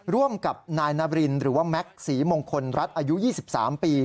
ร่วมกับนายนาบรินหรือว่าแม็กซ์ศรีมงคลรัฐอายุ๒๓ปี